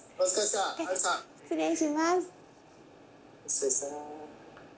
失礼します。